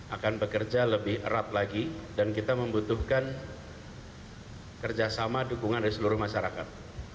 akan bekerja lebih erat lagi dan kita membutuhkan kerjasama dukungan dari seluruh masyarakat